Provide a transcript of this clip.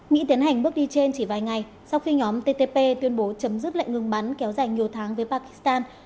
mỹ tiến hành bước đi trên chỉ vài ngày sau khi nhóm ttp tuyên bố chấm dứt lệnh ngừng bắn kéo dài nhiều tháng với pakistan